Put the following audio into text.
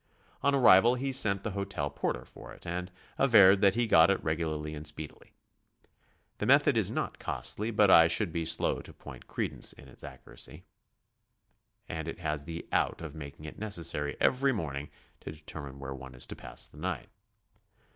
On arrival 'he sent the hotel porter for it, and averred that he got it regularly and speed ily. The method is not costly, but I should be slow to put credence in its accuracy, and it has the "out" of making it necessary every morning to determine where one is to pass the night.